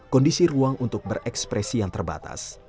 kondisi ruang untuk berekspresi yang terbatas